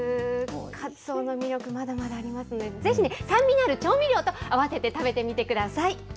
かつおの魅力、まだまだありますけれども、ぜひね、酸味のある調味料と合わせて食べてみてください。